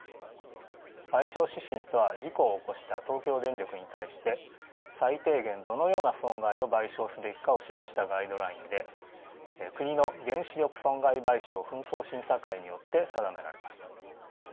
賠償指針とは事故を起こした東京電力に対して最低限どのような損害を賠償すべきかを示したガイドラインで国の原子力損害賠償紛争審査会によって定められます。